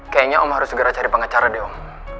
kayaknya om harus segera cari pengacara deh om